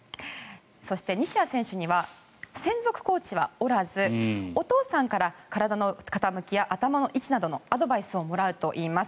そして、西矢選手には専属コーチはおらずお父さんから体の傾きや頭の位置などのアドバイスをもらうといいます。